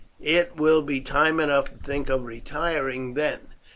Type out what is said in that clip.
It will be time enough to think of retiring then.